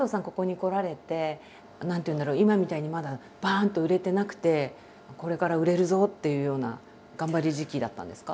今みたいにまだバンと売れてなくてこれから売れるぞっていうような頑張り時期だったんですか？